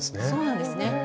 そうなんですね。